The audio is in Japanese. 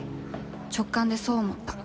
直感で、そう思った。